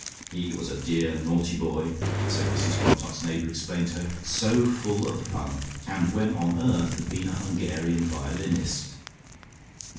He was a dear naughty boy, so Mrs Quantock's neighbour explained to her, so full of fun, and when on earth had been a Hungarian violinist.